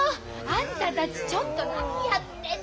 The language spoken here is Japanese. あんたたちちょっと何やってんの。